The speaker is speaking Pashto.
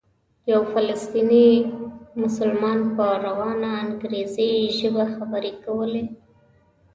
یو فلسطینی مسلمان په روانه انګریزي ژبه خبرې کولې.